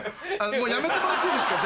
もうやめてもらっていいですか？